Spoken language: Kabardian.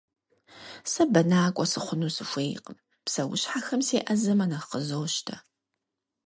Сэ бэнакӏуэ сыхъуну сыхуейкъым, псэущхьэхэм сеӏэзэмэ нэхъ къызощтэ.